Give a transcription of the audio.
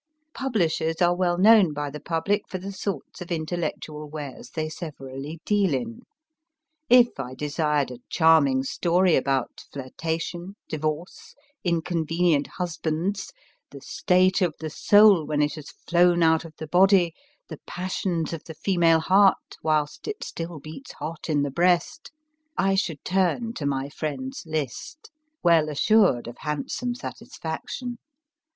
Publishers are well known by the public for the sorts of intellectual wares they severally deal in. If I desired a charming story about flirtation, divorce, inconvenient husbands, the state of the soul when it has flown out of the body, the passions of the female heart whilst it still beats hot in the breast, I should turn to my friend s list, well assured of handsome satisfaction.